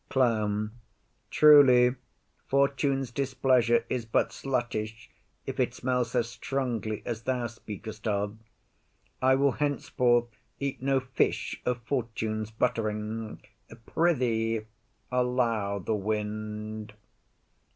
CLOWN. Truly, Fortune's displeasure is but sluttish, if it smell so strongly as thou speak'st of. I will henceforth eat no fish of Fortune's buttering. Pr'ythee, allow the wind.